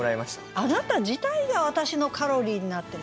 あなた自体が私のカロリーになってる。